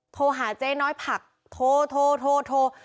โทรหาเจ๊น้อยผักโทรโทรโทรโทร